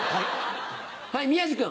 はい宮治君。